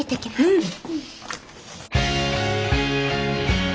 うん。